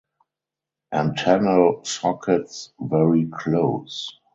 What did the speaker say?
Antennal sockets very close.